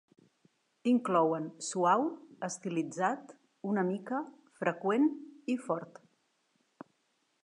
Inclouen: "suau", "estilitzat", "una mica", "freqüent" i "fort".